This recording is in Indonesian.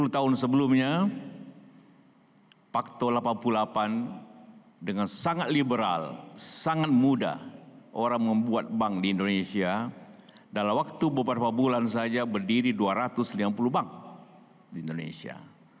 sepuluh tahun sebelumnya pakto delapan puluh delapan dengan sangat liberal sangat mudah orang membuat bank di indonesia dalam waktu beberapa bulan saja berdiri dua ratus lima puluh bank di indonesia